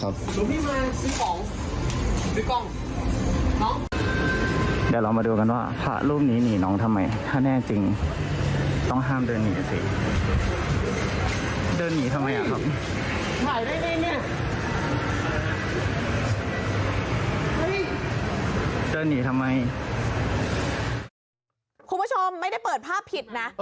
คุณผู้ชมไม่ได้เปิดภาพผิดนะ